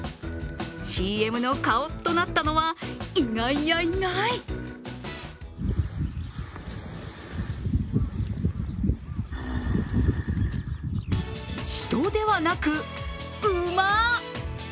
ＣＭの顔となったのは意外や意外人ではなく、馬。